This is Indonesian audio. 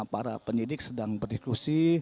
para penyidik sedang berdiskusi